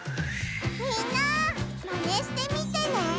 みんなマネしてみてね！